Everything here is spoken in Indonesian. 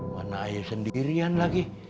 mana aye sendirian lagi